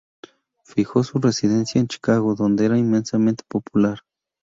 Fijó su residencia en Chicago, donde era inmensamente popular.